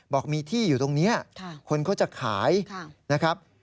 บอกมีที่อยู่ตรงนี้คนเขาจะขายนะครับ